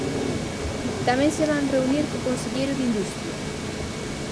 Tamén se van reunir co conselleiro de Industria.